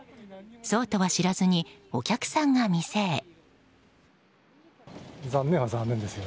そうとは知らずにお客さんが店へ。